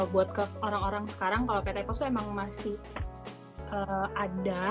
buat orang orang sekarang kalau pt post itu emang masih ada